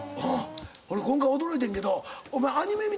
今回驚いてんけどお前。